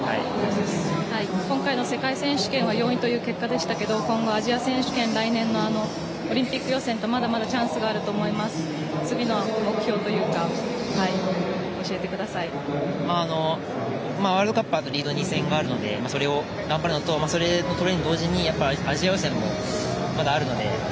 今回の世界選手権は４位という結果でしたけど今後、アジア選手権来年のオリンピック予選とまだまだチャンスがあると思います、次の目標をワールドカップリード２戦があるのでそれを頑張るのとそれと同時にアジア予選もまだあるので。